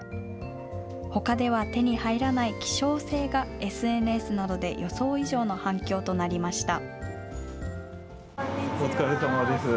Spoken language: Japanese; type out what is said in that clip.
ほかでは手に入らない希少性が、ＳＮＳなどで予想以上の反響となりました。